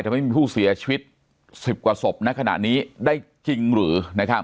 แต่ไม่มีผู้เสียชีวิตสิบกว่าศพและขณะนี้ได้จริงหรือ